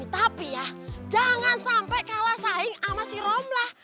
tapi ya jangan sampai kalah saing sama si romlah